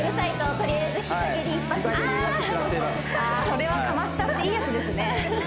それはかましたっていいやつですね